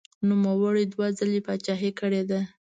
نوموړي دوه ځلې پاچاهي کړې ده.